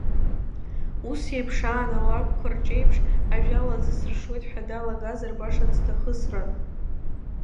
Ус еиԥш аан алакәқәа рҿеиԥш, ажәала аӡы сыршуеит ҳәа далагазар, баша ӡҭахысран.